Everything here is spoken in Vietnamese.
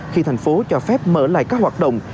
khi thành phố cho phép mở lại các hoạt động